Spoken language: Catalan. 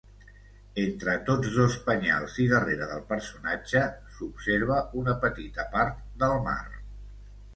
Entre tots dos penyals i darrere del personatge, s'observa una petita part del mar.